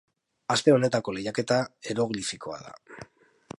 Aste honetako lehiaketa eroglifikoa da.